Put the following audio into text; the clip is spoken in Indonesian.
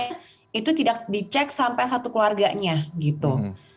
itu tidak dicek sampai satu keluarganya gitu